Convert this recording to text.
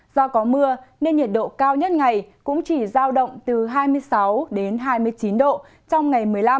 do có mưa nên nhiệt độ cao nhất ngày cũng chỉ giao động từ hai mươi sáu đến hai mươi chín độ trong ngày một mươi năm